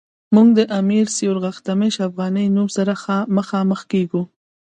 موږ د امیر سیورغتمش افغانی نوم سره مخامخ کیږو.